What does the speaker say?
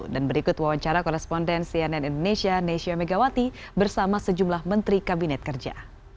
dan berikut wawancara koresponden cnn indonesia nesya megawati bersama sejumlah menteri kabinet kerja